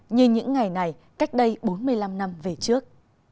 như những ngày này cách đây bốn mươi năm năm về trước